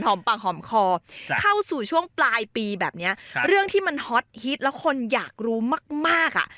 ปากหอมคอเข้าสู่ช่วงปลายปีแบบนี้เรื่องที่มันฮอตฮิตแล้วคนอยากรู้มากมากอ่ะ